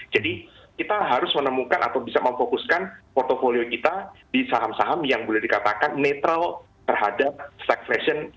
jadi kita harus menemukan atau bisa memfokuskan portfolio kita di saham saham yang boleh dikatakan netral terhadap stock fashion